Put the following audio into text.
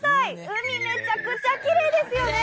海めちゃくちゃきれいですよね！